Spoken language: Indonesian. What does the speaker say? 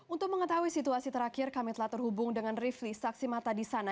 untuk mengetahui situasi terakhir kami telah terhubung dengan rifli saksi mata di sana